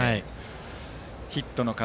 ヒットの数